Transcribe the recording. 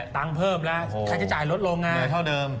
ตังค์เพิ่มแล้วแค่จะจัยรถโรงงานเหมือนเฒ่าเดิม